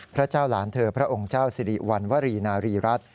พระเจ้าหลานเธอพระองค์เจ้าสิริวัณวรีนารีรัฐ